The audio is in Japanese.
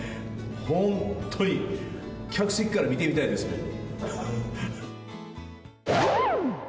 本当に客席から見てみたいですもん。